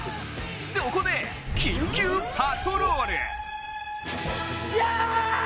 そこで緊急パトロール！